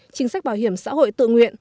chính sách bảo hiểm xã hội tự nguyện